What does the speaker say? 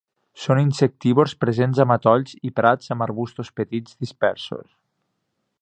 Són insectívors presents a matolls i prats amb arbustos petits dispersos.